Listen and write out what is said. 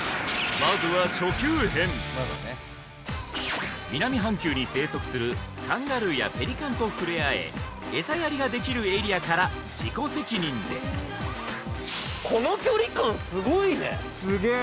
まずは初級編南半球に生息するカンガルーやペリカンと触れ合えエサやりができるエリアから自己責任でこの距離感すごいねすげえ